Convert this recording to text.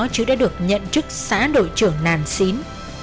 chứ đã được nhận chức xã đội trưởng nàn xín